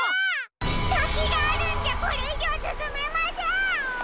たきがあるんじゃこれいじょうすすめません！